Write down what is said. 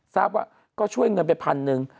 ทราบว่าก็ช่วยเงินไปพันหนึ่ง